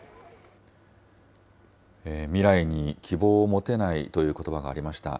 未来に希望を持てないということばがありました。